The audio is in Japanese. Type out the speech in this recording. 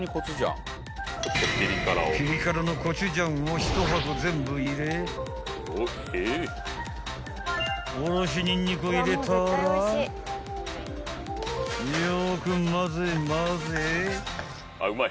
［ピリ辛のコチュジャンを一箱全部入れおろしにんにくを入れたらよく混ぜ混ぜ］